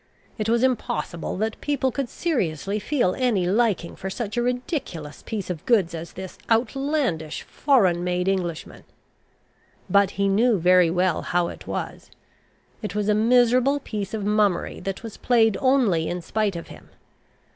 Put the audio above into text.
It was impossible that people could seriously feel any liking for such a ridiculous piece of goods as this outlandish foreign made Englishman. But he knew very well how it was: it was a miserable piece of mummery that was played only in spite of him.